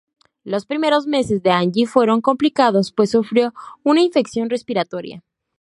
Los primeros meses de Angie fueron complicados, pues sufrió una infección respiratoria.